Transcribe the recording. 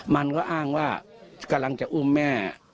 มันก็อ้างว่ากำลังจะอุ้มแม่